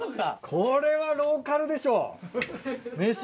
これはローカルでしょ！